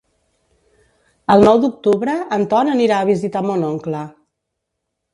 El nou d'octubre en Ton anirà a visitar mon oncle.